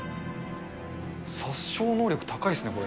殺傷能力高いですね、これ。